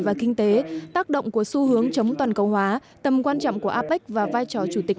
và kinh tế tác động của xu hướng chống toàn cầu hóa tầm quan trọng của apec và vai trò chủ tịch